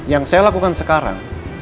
yang saya lakukan sekarang